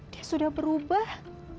dia sudah berubah